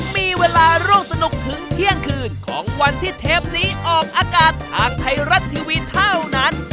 มีเวลาร่วมสนุกถึงเที่ยงคืนของวันที่เทปนี้ออกอากาศทางไทยรัฐทีวีเท่านั้น